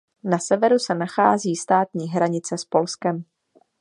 Na severu se nachází státní hranice s Polskem.